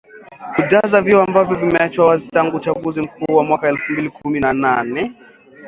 kujaza vyeo ambavyo vimeachwa wazi tangu uchaguzi mkuu wa mwaka elfu mbili na kumi na nane